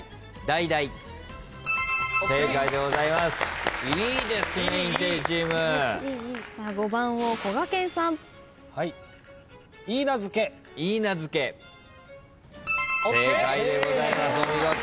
正解でございますお見事。